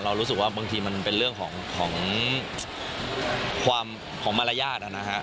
รู้สึกว่าบางทีมันเป็นเรื่องของความของมารยาทนะฮะ